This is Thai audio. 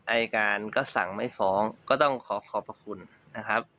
อายการก็สั่งไม่ฟ้องก็ต้องขอขอบพระคุณนะครับ